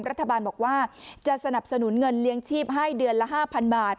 รัฐบาลบอกว่าจะสนับสนุนเงินเลี้ยงชีพให้เดือนละ๕๐๐บาท